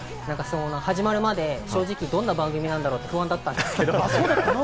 始まるまで、正直、どんな番組なのか不安だったんですけど。